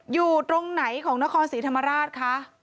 อยู่ตรงไหนของนครศรีธรรมราชคะ